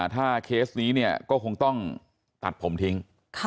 ถ้าเคสนี้เนี่ยก็คงต้องตัดผมทิ้ง